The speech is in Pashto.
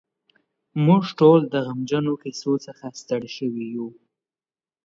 موږ ټول د غمجنو کیسو څخه ستړي شوي یو.